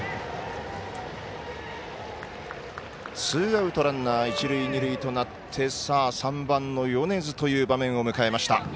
ツーアウトランナー一塁二塁となって３番の米津という場面を迎えました。